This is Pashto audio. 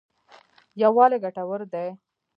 یوالی ګټور دی.